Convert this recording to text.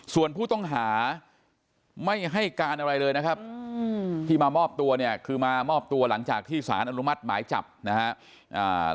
ส่วนผู้ต้องหาไม่ให้การอะไรเลยนะครับที่มามอบตัวเนี่ยคือมามอบตัวหลังจากที่สารอนุมัติหมายจับนะครับ